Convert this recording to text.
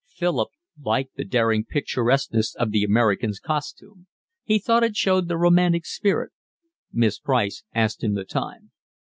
Philip liked the daring picturesqueness of the Americans' costume; he thought it showed the romantic spirit. Miss Price asked him the time.